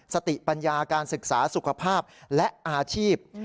สติปัญญาการศึกษาสุขภาพและอาชีพ